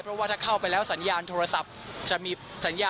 เพราะว่าถ้าเข้าไปแล้วสัญญาณโทรศัพท์